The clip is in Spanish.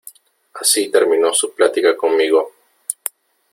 así terminó su plática conmigo .